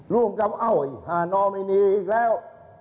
ร่วมกับเอ้านอมินีอีกแล้ว